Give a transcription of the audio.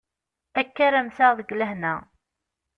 Akka ad mmteɣ deg lehna.